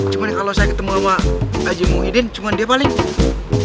cuma kalau saya ketemu sama haji muhyiddin cuma dia paling makan bubur aja bang